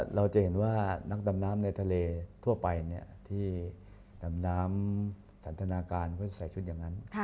เราจะเห็นว่านักดำน้ำในทะเลทั่วไปที่ดำน้ำสันทนาการเขาใส่ชุดอย่างนั้น